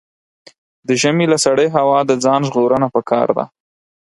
د ژمي له سړې هوا د ځان ژغورنه پکار ده.